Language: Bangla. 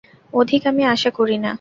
অধিক আমি আশা করি না।